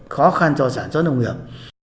khó khăn cho sản xuất nông nghiệp